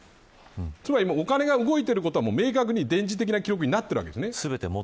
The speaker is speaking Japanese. つまりお金が動いていることは明確に電磁的な記録的に持っているわけですね。